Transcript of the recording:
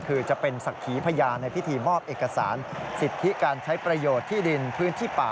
คือจะเป็นศักดิ์ขีพยานในพิธีมอบเอกสารสิทธิการใช้ประโยชน์ที่ดินพื้นที่ป่า